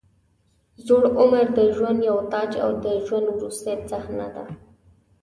زوړ عمر د ژوند یو تاج او د ژوند وروستۍ صحنه ده.